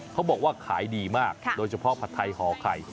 เขาบอกว่าขายดีมากโดยเฉพาะผัดไทยห่อไข่